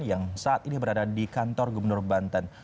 yang saat ini berada di kantor gubernur banten